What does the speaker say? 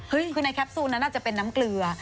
คือในแคปซูลนั้นน่าจะเป็นน้ำเกลือ